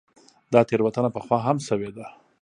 دا تېروتنه پخوا هم شوې ده.